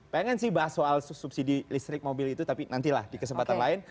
pengen sih bahas soal subsidi listrik mobil itu tapi nantilah di kesempatan lain